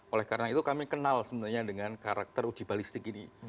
oleh karena itu kami kenal sebenarnya dengan karakter uji balistik ini